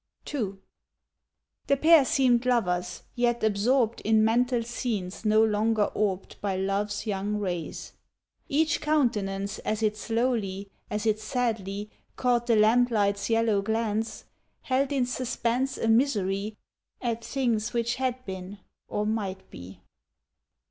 II The pair seemed lovers, yet absorbed In mental scenes no longer orbed By love's young rays. Each countenance As it slowly, as it sadly Caught the lamplight's yellow glance Held in suspense a misery At things which had been or might be.